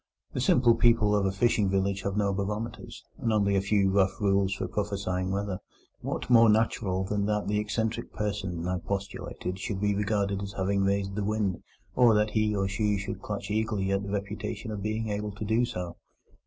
The simple people of a fishing village have no barometers, and only a few rough rules for prophesying weather. What more natural than that the eccentric personage I postulated should be regarded as having raised the wind, or that he or she should clutch eagerly at the reputation of being able to do so?